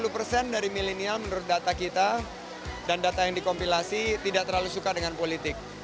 lima puluh persen dari milenial menurut data kita dan data yang dikompilasi tidak terlalu suka dengan politik